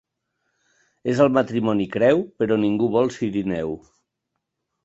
És el matrimoni creu, però ningú vol cirineu.